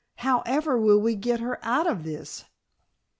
"However will we get her out of this?"